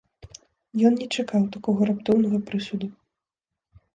Ён не чакаў такога раптоўнага прысуду.